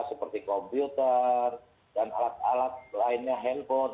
seperti komputer dan alat alat lainnya handphone